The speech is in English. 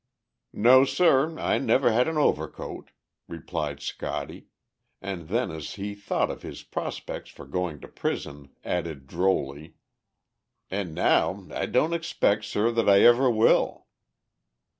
"No, sir, I never had an overcoat," replied Scotty, and then as he thought of his prospects for going to prison, added drolly, "And now I don't expect, sir, that I ever will!"